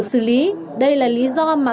xử lý đây là lý do mà